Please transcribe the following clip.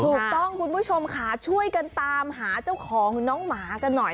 คุณผู้ชมค่ะช่วยกันตามหาเจ้าของน้องหมากันหน่อย